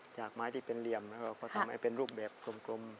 จากไม้ที่เป็นเหลี่ยมแล้วเราก็ทำให้เป็นรูปแบบกลม